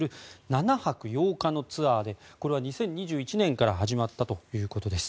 ７泊８日のツアーでこれは２０２１年から始まったということです。